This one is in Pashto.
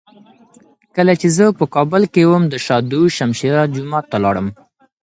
کله چي زه په کابل کي وم، د شاه دو شمشېره جومات ته لاړم.